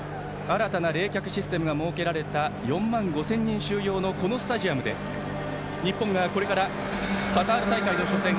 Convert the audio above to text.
新たな冷却システムが設けられた４万５０００人収容のこのスタジアムで日本がこれからカタール大会の初戦